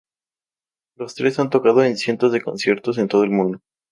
Los tres han tocado en cientos de conciertos en todo el mundo.